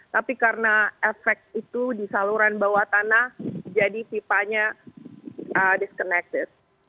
tapi karena efek itu di saluran bawah tanah jadi pipanya disconnected